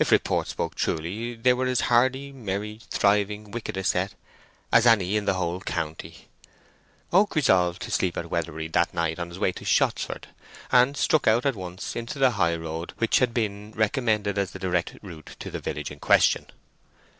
If report spoke truly they were as hardy, merry, thriving, wicked a set as any in the whole county. Oak resolved to sleep at Weatherbury that night on his way to Shottsford, and struck out at once into the high road which had been recommended as the direct route to the village in question.